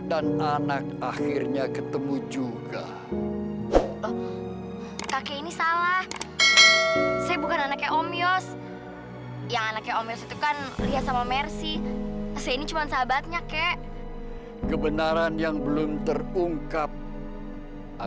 sampai jumpa di video selanjutnya